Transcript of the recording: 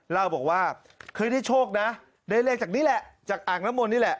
เล่าบอกว่าคือที่โชคนะได้เลขจากนี้แหละจากอ่างนมลนี่แหละ